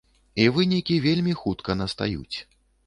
І вынікі вельмі хутка настаюць.